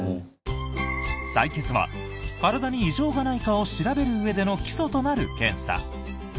採血は体に異常がないかを調べるうえでの基礎となる検査。